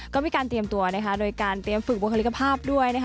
ก็มีการเตรียมตัวนะคะโดยการเตรียมฝึกบุคลิกภาพด้วยนะคะ